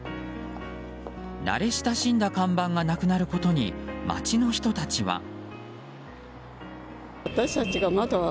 慣れ親しんだ看板がなくなることに街の人たちは。